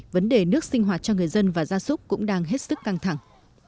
vấn đề nước sinh hoạt cho người dân và gia súc cũng đang hết sức căng thẳng